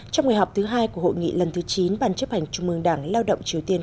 trong ngày họp thứ hai của hội nghị lần thứ chín ban chấp hành trung mương đảng lao động triều tiên